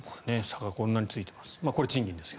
差がこんなについています